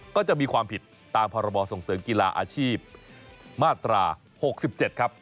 ก็จะมีความผิดตามพศกีฬาอาชีพมาตรา๖๗ครับ